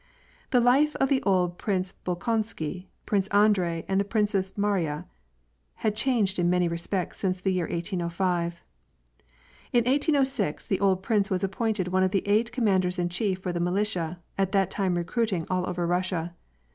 The life of the old Prince Bolkonsky, Prince Andrei, and the Princess Mariya, had changed in many respects since the year 1805. In 1806, the old prince was appointed one of the eight com manders in chief for the militia, at that time recruiting all over Russia.